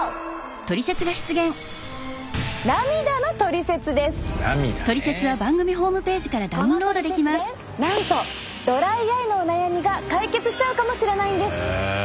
このトリセツでなんとドライアイのお悩みが解決しちゃうかもしれないんです！